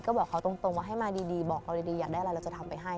ก็บอกเขาตรงว่าให้มาดีบอกเราดีอยากได้อะไรเราจะทำไปให้